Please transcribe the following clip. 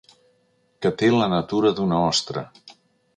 Que té la natura d'una ostra.